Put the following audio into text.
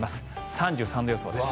３３度予想です。